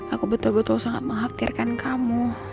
aku betul betul sangat menghartirkan kamu